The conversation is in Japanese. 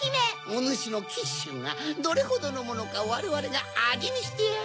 おぬしのキッシュがどれほどのものかわれわれがあじみしてやろう。